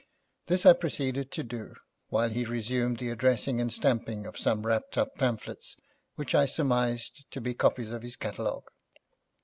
This I proceeded to do, while he resumed the addressing and stamping of some wrapped up pamphlets which I surmised to be copies of his catalogue.